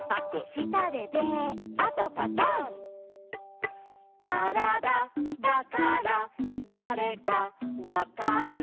「したでベー」「あとパタン」「からだだからだれかわかる」